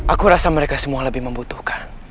aku rasa mereka semua lebih membutuhkan